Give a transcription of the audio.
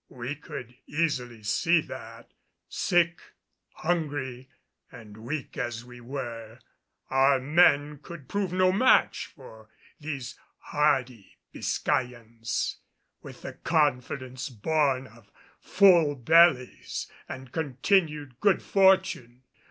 We could easily see that, sick, hungry and weak as we were, our men could prove no match for these hardy Biscayans, with the confidence born of full bellies and continued good fortune.